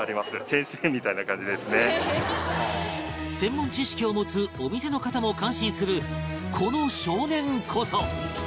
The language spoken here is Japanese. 専門知識を持つお店の方も感心するこの少年こそ